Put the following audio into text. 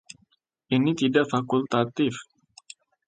Ini tidak fakultatif.